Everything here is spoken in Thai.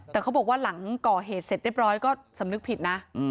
แต่เขาบอกว่าหลังก่อเหตุเสร็จเรียบร้อยก็สำนึกผิดนะ